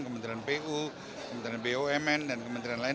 kementerian pu kementerian bumn dan kementerian lain